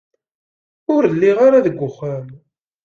Ur lliɣ ara deg uxxam.